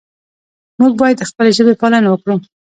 موږ باید د خپلې ژبې پالنه وکړو.